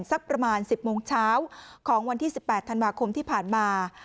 สักประมาณ๑๐โมงเช้าของวันที่๑๘ธันวาคมที่ผ่านมา